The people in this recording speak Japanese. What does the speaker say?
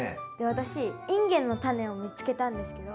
私インゲンのタネを見つけたんですけど。